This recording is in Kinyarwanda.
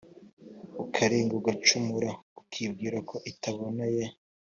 ukarenga ugacumura ukibwira ko itabona ye